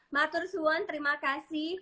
matur suwan terima kasih